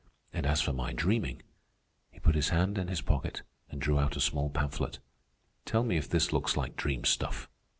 "And as for my dreaming—" he put his hand in his pocket and drew out a small pamphlet—"tell me if this looks like dream stuff."